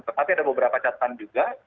tetapi ada beberapa catatan juga